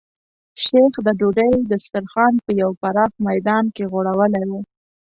شیخ د ډوډۍ دسترخوان په یو پراخ میدان کې غوړولی و.